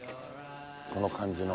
この感じの。